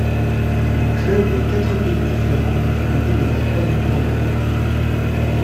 Les clubs de quatre pays différents ont fourni les vainqueurs du tournoi.